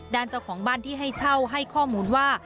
เจ้าของบ้านที่ให้เช่าให้ข้อมูลว่า